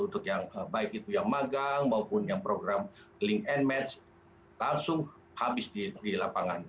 untuk yang baik itu yang magang maupun yang program link and match langsung habis di lapangan